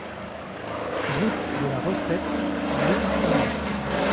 Route de la Recette à Lévis-Saint-Nom